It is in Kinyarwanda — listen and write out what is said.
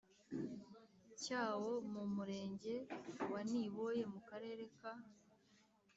cyawo mu Murenge wa Niboye mu Karere ka